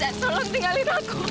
udah set tolong tinggalin aku